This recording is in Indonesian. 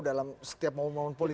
dalam setiap momen momen politik